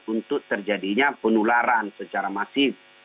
untuk terjadinya penularan secara masif